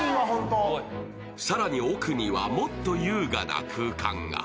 更に奥にはもっと優雅な空間が。